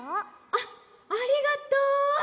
「あっありがとう。